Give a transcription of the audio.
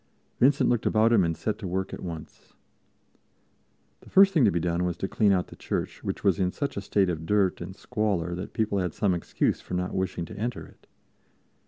Vincent looked about him and set to work at once. The first thing to be done was to clean out the church, which was in such a state of dirt and squalor that people had some excuse for not wishing to enter it.